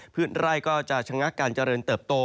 ไร่ก็จะชะงักการเจริญเติบโต